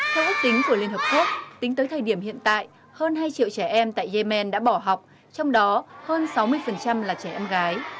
theo ước tính của liên hợp quốc tính tới thời điểm hiện tại hơn hai triệu trẻ em tại yemen đã bỏ học trong đó hơn sáu mươi là trẻ em gái